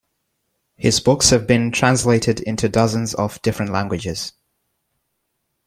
His books have been translated into dozens of different languages.